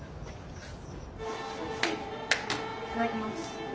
いただきます。